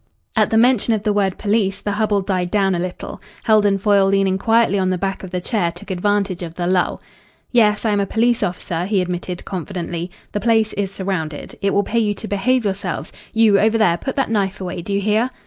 At the mention of the word police the hubble died down a little. Heldon Foyle, leaning quietly on the back of the chair, took advantage of the lull. "Yes, I am a police officer," he admitted confidently. "The place is surrounded. It will pay you to behave yourselves you over there, put that knife away, do you hear?"